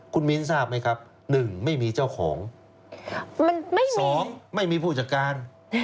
คุณมิ้นทราบไหมครับ๑ไม่มีเจ้าของ๒ไม่มีผู้จัดการ